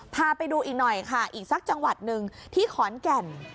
พาไปดูอีกหน่อยค่ะอีกสักจังหวัดหนึ่งที่ขอนแก่น